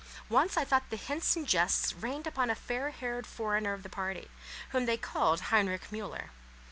Once I thought the hints and jests rained upon a young fair haired foreigner of the party, whom they called Heinrich Mühler.